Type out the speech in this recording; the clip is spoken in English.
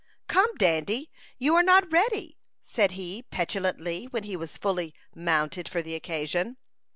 "Come, Dandy, you are not ready," said he, petulantly, when he was fully "mounted" for the occasion.